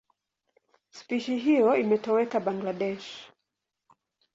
Spishi hiyo imetoweka Bangladesh.